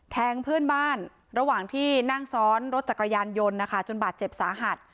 เพื่อนบ้านระหว่างที่นั่งซ้อนรถจักรยานยนต์นะคะจนบาดเจ็บสาหัส